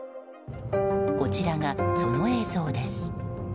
こちらがその映像です。